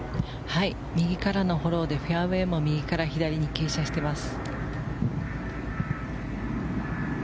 右からのフォローでフェアウェーも右から左に傾斜しています。